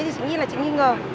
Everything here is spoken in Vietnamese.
thì chị nghĩ là chị nghi ngờ